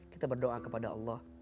kita berdoa kepada allah